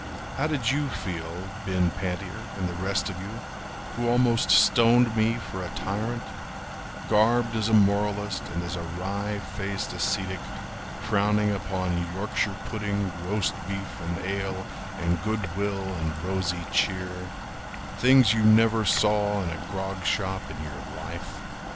How did you feel, Ben Pantier, and the rest of you, Who almost stoned me for a tyrant Garbed as a moralist, And as a wry faced ascetic frowning upon Yorkshire pudding, Roast beef and ale and good will and rosy cheer— Things you never saw in a grog shop in your life?